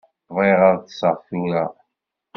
Bɣiɣ ad ṭṭseɣ tura.